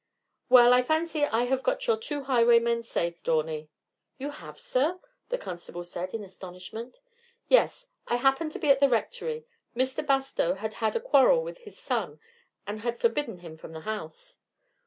"Well, I fancy I have got your two highwaymen safe, Dawney." "You have, sir?" the constable said in astonishment. "Yes. I happened to be at the Rectory. Mr. Bastow had had a quarrel with his son, and had forbidden him the house."